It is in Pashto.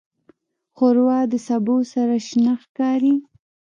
ښوروا د سبو سره شنه ښکاري.